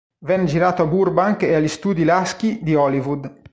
Venne girato a Burbank e agli studi Lasky di Hollywood.